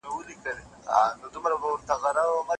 دی روان سو ځان یې موړ کړ په بازار کي